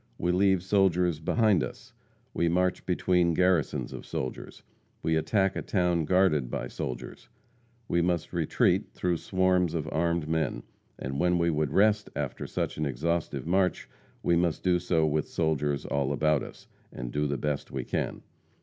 We leave soldiers behind us; we march between garrisons of soldiers; we attack a town guarded by soldiers; we must retreat through swarms of armed men; and when we would rest after such an exhaustive march, we must do so with soldiers all about us, and do the best we can.